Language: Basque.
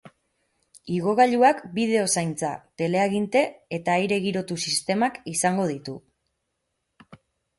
Igogailuak bideo-zaintza, teleaginte eta aire girotu sistemak izango ditu.